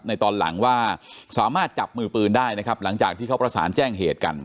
ตอนหลังว่าสามารถจับมือปืนได้นะครับหลังจากที่เขาประสานแจ้งเหตุกัน